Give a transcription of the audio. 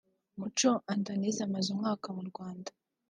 Muco Adonis amaze umwaka mu Rwanda